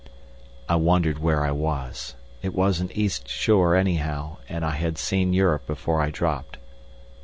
I wondered where I was. It was an east shore anyhow, and I had seen Europe before I dropped.